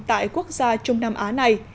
tại quốc gia trung nam á này